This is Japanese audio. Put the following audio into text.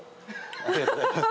ありがとうございます。